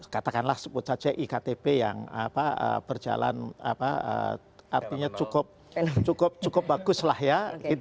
katakanlah sebut saja iktp yang berjalan artinya cukup bagus lah ya